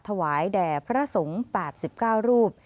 ถวายแด่พระสงฆ์๘๙รูป